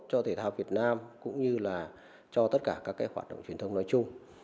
cho thể thao việt nam cũng như là cho tất cả các kế hoạch đồng truyền thông nói chung